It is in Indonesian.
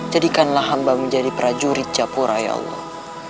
jadikanlah hamba menjadi prajurit japura ya allah